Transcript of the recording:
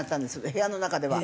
部屋の中では。